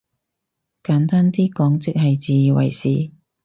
簡單啲講即係自以為是？